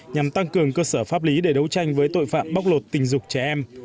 nhằm tăng cường cơ sở pháp lý để đấu tranh với tội phạm bóc lột tình dục trẻ em